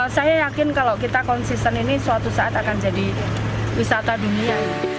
saya yakin kalau kita konsisten ini suatu saat akan jadi wisata dunia